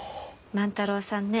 万太郎さんね